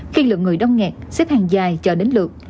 khi lượng người đông nghe xếp hàng dài chờ đến lượt